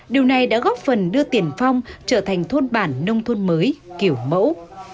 điều này đã góp phần đưa tiền phong trở thành thôn bản nông thôn mới kiểu mẫu